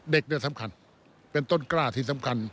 เด็กเนี่ยสำคัญเป็นต้นกล้าที่สำคัญ